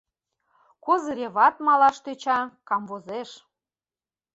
Козыреват малаш тӧча, камвозеш.